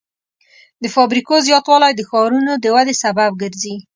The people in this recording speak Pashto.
د فابریکو زیاتوالی د ښارونو د ودې سبب ګرځي.